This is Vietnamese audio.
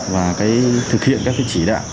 và thực hiện các chỉ đạo